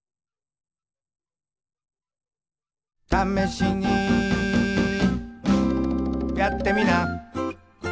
「ためしにやってみな」